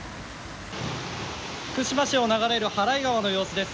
福島市を流れる祓川の様子です。